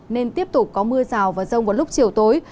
nên tiếp tục có mưa rào và rông vào lúc chiều tối